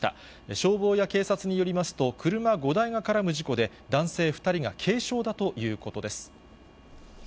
消防や警察によりますと、車５台が絡む事故で、男性２人が軽傷だということです。